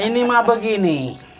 ini mak begini